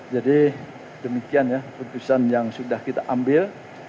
jadi demikian ya putusan yang sudah kita ambil